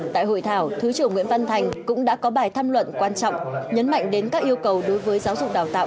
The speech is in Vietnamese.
tại hội thảo thứ trưởng nguyễn văn thành cũng đã có bài tham luận quan trọng nhấn mạnh đến các yêu cầu đối với giáo dục đào tạo